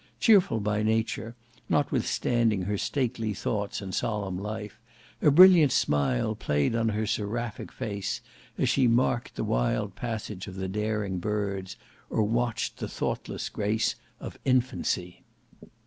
Cheerful by nature, notwithstanding her stately thoughts and solemn life, a brilliant smile played on her seraphic face, as she marked the wild passage of the daring birds, or watched the thoughtless grace of infancy.